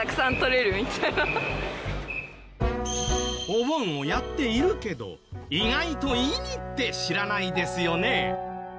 お盆をやっているけど意外と意味って知らないですよね。